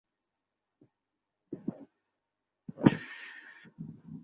একটা নতুন পণ্য চালু করেছি।